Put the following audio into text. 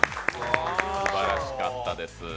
すばらしかったです。